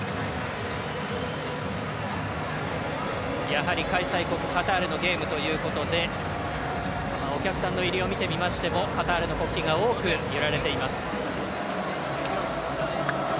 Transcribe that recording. やはり、開催国カタールのゲームということでお客さんの入りを見てみましてもカタールの国旗が多く揺られています。